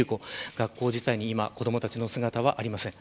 学校に子どもたちの姿はありません。